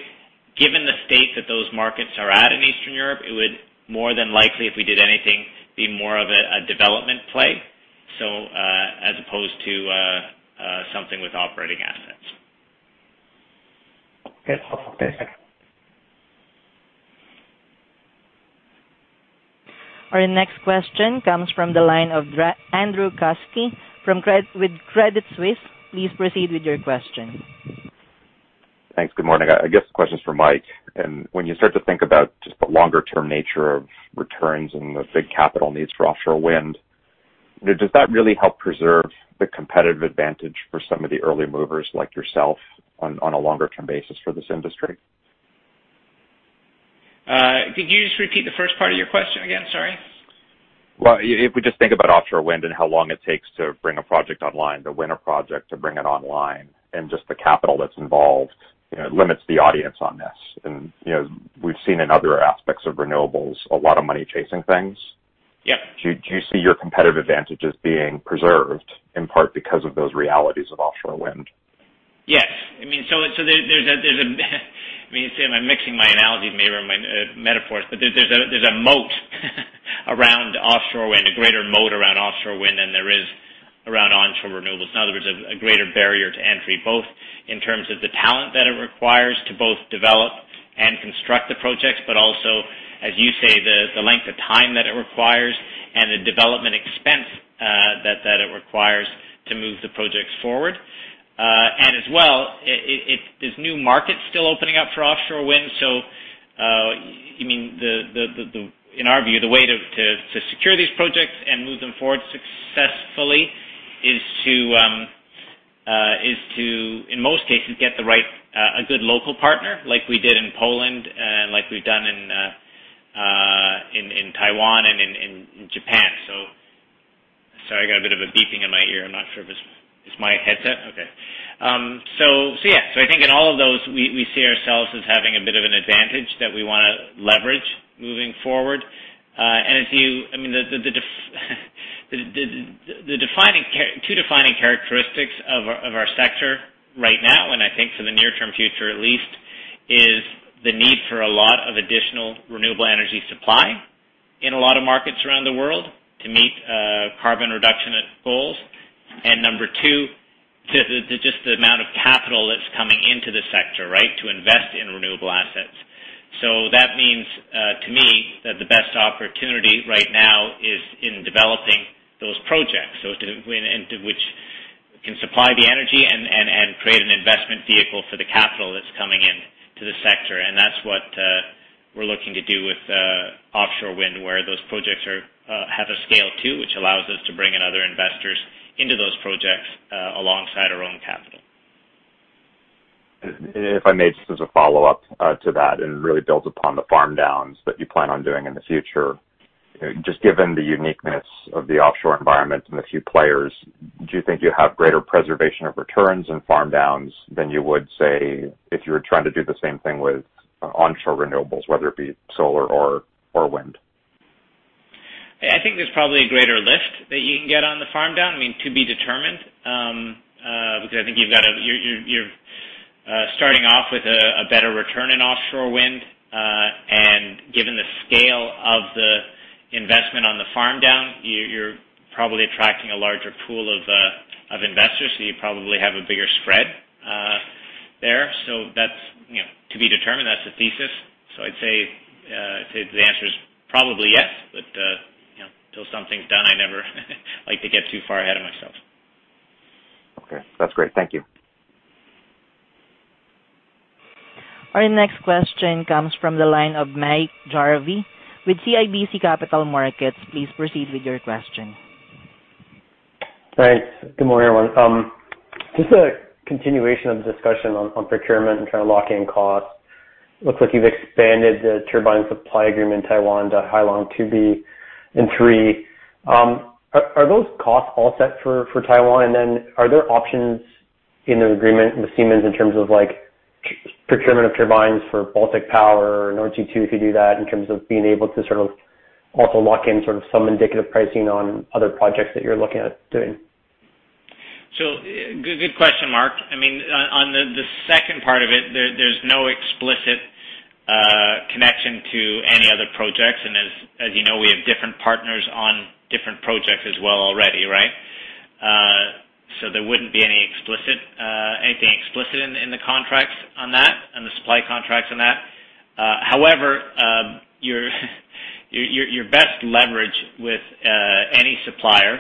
S2: Given the state that those markets are at in Eastern Europe, it would more than likely, if we did anything, be more of a development play, as opposed to something with operating assets.
S9: Okay.
S1: Our next question comes from the line of Andrew Kuske with Credit Suisse. Please proceed with your question.
S10: Thanks. Good morning. I guess the question is for Mike. When you start to think about just the longer-term nature of returns and the big capital needs for offshore wind, does that really help preserve the competitive advantage for some of the early movers like yourself on a longer-term basis for this industry?
S2: Could you just repeat the first part of your question again? Sorry.
S10: Well, if we just think about offshore wind and how long it takes to bring a project online, the wind project to bring it online, and just the capital that's involved limits the audience on this. We've seen in other aspects of renewables, a lot of money chasing things.
S2: Yeah.
S10: Do you see your competitive advantages being preserved, in part because of those realities of offshore wind?
S2: Yes. I'm mixing my analogies maybe, or my metaphors, but there's a moat around offshore wind, a greater moat around offshore wind than there is around onshore renewables. In other words, a greater barrier to entry, both in terms of the talent that it requires to both develop and construct the projects, but also, as you say, the length of time that it requires and the development expense that it requires to move the projects forward. As well, there's new markets still opening up for offshore wind. In our view, the way to secure these projects and move them forward successfully is to, in most cases, get a good local partner, like we did in Poland and like we've done in Taiwan and in Japan. Sorry, I got a bit of a beeping in my ear. I'm not sure if it's my headset. Okay. Yeah. I think in all of those, we see ourselves as having a bit of an advantage that we want to leverage moving forward. Two defining characteristics of our sector right now, and I think for the near-term future at least, is the need for a lot of additional renewable energy supply in a lot of markets around the world to meet carbon reduction goals. Number two, just the amount of capital that's coming into the sector, right, to invest in renewable assets. That means, to me, that the best opportunity right now is in developing those projects, which can supply the energy and create an investment vehicle for the capital that's coming in to the sector. That's what we're looking to do with offshore wind, where those projects have a scale too, which allows us to bring in other investors into those projects alongside our own capital.
S10: If I may, just as a follow-up to that, and really build upon the farm downs that you plan on doing in the future, just given the uniqueness of the offshore environment and the few players, do you think you have greater preservation of returns and farm downs than you would, say, if you were trying to do the same thing with onshore renewables, whether it be solar or wind?
S2: I think there's probably a greater lift that you can get on the farm down. To be determined, because I think you're starting off with a better return in offshore wind. Given the scale of the investment on the farm down, you're probably attracting a larger pool of investors, so you probably have a bigger spread there. That's to be determined. That's the thesis. I'd say the answer is probably yes, but until something's done, I never like to get too far ahead of myself.
S10: Okay. That's great. Thank you.
S1: Our next question comes from the line of Mark Jarvi with CIBC Capital Markets. Please proceed with your question.
S11: Thanks. Good morning, everyone. Just a continuation of the discussion on procurement and trying to lock in costs. Looks like you've expanded the turbine supply agreement in Taiwan to Hai Long 2B and 3. Are those costs all set for Taiwan? Are there options in the agreement with Siemens in terms of procurement of turbines for Baltic Power or Nordsee Two, if you do that, in terms of being able to also lock in some indicative pricing on other projects that you're looking at doing?
S2: Good question, Mark. On the second part of it, there's no explicit connection to any other projects. As you know, we have different partners on different projects as well already, right? There wouldn't be any contracts on that and the supply contracts on that. However, your best leverage with any supplier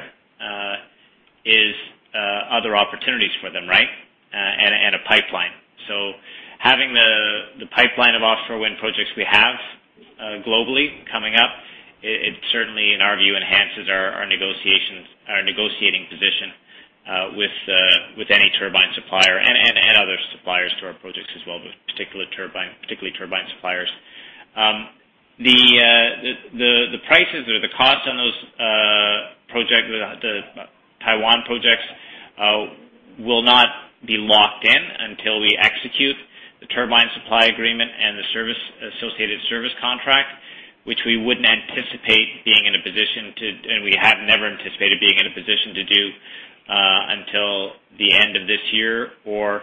S2: is other opportunities for them, right? A pipeline. Having the pipeline of offshore wind projects we have globally coming up, it certainly, in our view, enhances our negotiating position with any turbine supplier and other suppliers to our projects as well, but particularly turbine suppliers. The prices or the costs on those Taiwan projects will not be locked in until we execute the turbine supply agreement and the associated service contract, which we wouldn't anticipate being in a position to, and we have never anticipated being in a position to do until the end of this year or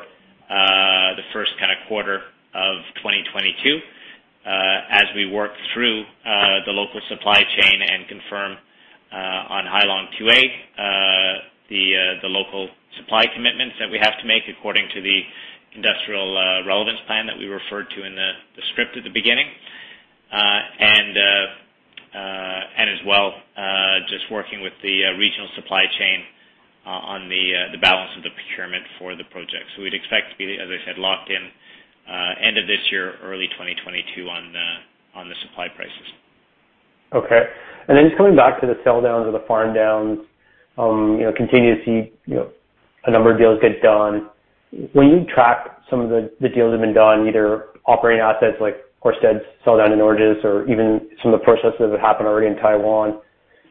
S2: the first quarter of 2022 as we work through the local supply chain and confirm on Hai Long 2A the local supply commitments that we have to make according to the industrial relevance plan that we referred to in the script at the beginning. As well, just working with the regional supply chain on the balance of the procurement for the project. We'd expect to be, as I said, locked in end of this year or early 2022 on the supply prices.
S11: Okay. Just coming back to the sell downs or the farm downs, continue to see a number of deals get done. When you track some of the deals that have been done, either operating assets like Ørsted's sell down in Borssele or even some of the processes that happened already in Taiwan,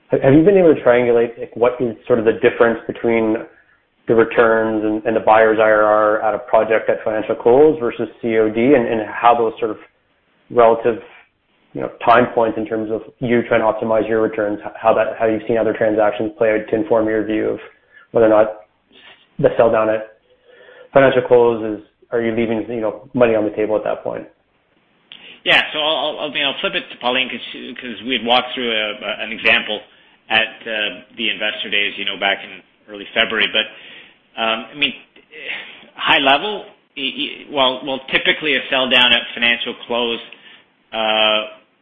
S11: have you been able to triangulate what is sort of the difference between the returns and the buyer's IRR at a project at financial close versus COD and how those sort of relative time points in terms of you trying to optimize your returns, how you've seen other transactions play out to inform your view of whether or not the sell down at financial close is. Are you leaving money on the table at that point?
S2: Yeah. I'll flip it to Pauline because we had walked through an example at the Investor Day back in early February. High level, well, typically, a sell down at financial close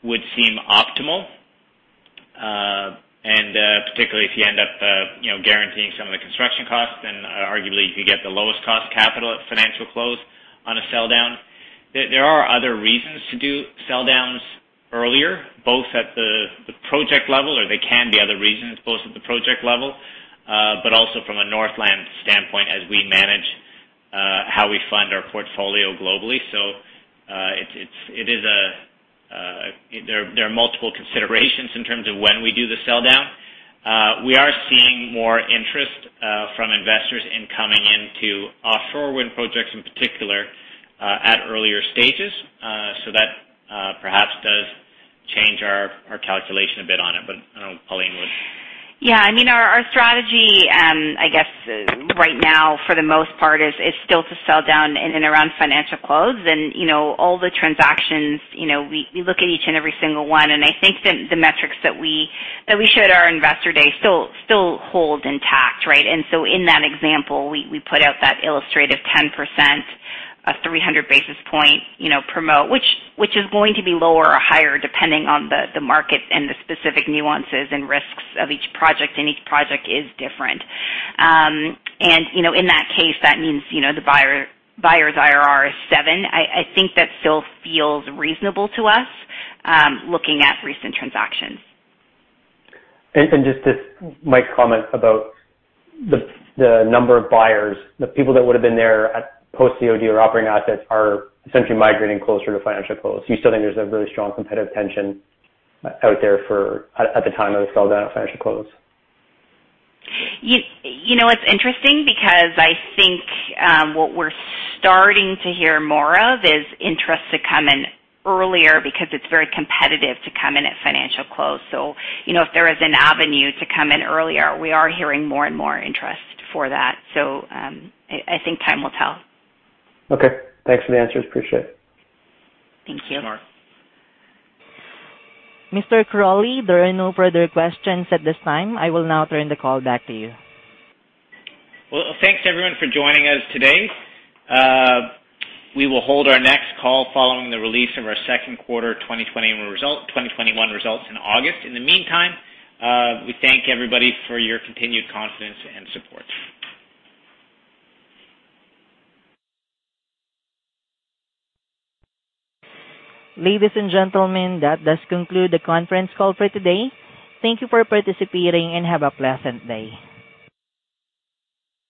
S2: would seem optimal. Particularly if you end up guaranteeing some of the construction costs, arguably you could get the lowest cost capital at financial close on a sell down. There are other reasons to do sell downs earlier, both at the project level, or there can be other reasons both at the project level, but also from a Northland standpoint as we manage how we fund our portfolio globally. There are multiple considerations in terms of when we do the sell down. We are seeing more interest from investors in coming into offshore wind projects in particular at earlier stages. That perhaps does change our calculation a bit on it. I don't know if Pauline would.
S3: Yeah. Our strategy right now, for the most part, is still to sell down in and around financial close. All the transactions, we look at each and every single one, and I think that the metrics that we showed our Investor Day still hold intact, right? In that example, we put out that illustrative 10%, a 300 basis point promote, which is going to be lower or higher depending on the market and the specific nuances and risks of each project, and each project is different. In that case, that means the buyer's IRR is seven. I think that still feels reasonable to us, looking at recent transactions.
S11: Just to my comment about the number of buyers, the people that would've been there at post COD or operating assets are essentially migrating closer to financial close. Do you still think there's a really strong competitive tension out there for at the time of the sell down at financial close?
S3: It's interesting because I think what we're starting to hear more of is interest to come in earlier because it's very competitive to come in at financial close. If there is an avenue to come in earlier, we are hearing more and more interest for that. I think time will tell.
S11: Okay. Thanks for the answers. Appreciate it.
S3: Thank you.
S2: Sure.
S1: Mr. Crawley, there are no further questions at this time. I will now turn the call back to you.
S2: Well, thanks everyone for joining us today. We will hold our next call following the release of our second quarter 2021 results in August. In the meantime, we thank everybody for your continued confidence and support.
S1: Ladies and gentlemen, that does conclude the conference call for today. Thank you for participating and have a pleasant day.